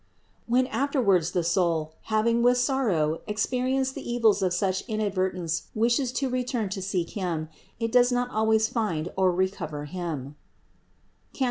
When after wards the soul, having with sorrow experienced the evils of such inadvertence wishes to return to seek Him, it does not always find or recover Him (Cant.